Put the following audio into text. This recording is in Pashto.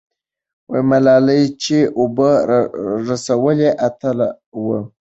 ملالۍ چې اوبه رسولې، اتله وه.